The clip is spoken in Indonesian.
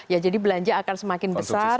ya jadi belanja akan semakin besar